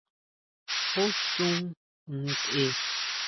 ¿Jú chon ntʼe?